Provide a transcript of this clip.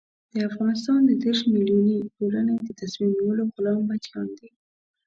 د افغانستان د دېرش ملیوني ټولنې د تصمیم نیولو غلام بچیان دي.